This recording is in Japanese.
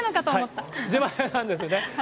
自前なんですよね。